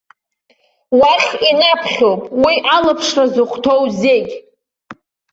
Уахь инаԥхьоуп уи алаԥшра зыхәҭоу зегь.